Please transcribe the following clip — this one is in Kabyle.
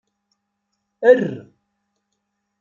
Err.